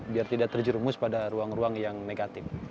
biar tidak terjerumus pada ruang ruang yang negatif